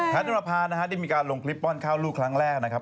แพทย์นุรพานที่มีการลงคลิปป้อนข้าวลูกครั้งแรกนะครับ